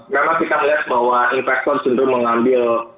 memang kita melihat bahwa investor cenderung mengambil